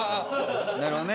なるほどね